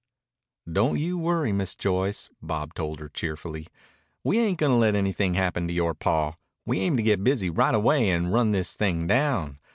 "Don't you worry, Miss Joyce," Bob told her cheerfully. "We ain't gonna let anything happen to yore paw. We aim to get busy right away and run this thing down.